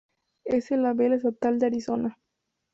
Es el ave estatal de Arizona.